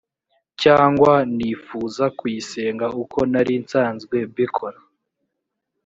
cyangwa nifuza kuyisenga uko nari nsanzwe mbikora